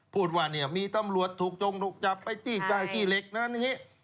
พูดว่าเนี่ยมีตำรวจถูกจงถูกจับไปจี้จ้ายจี้เล็กนะ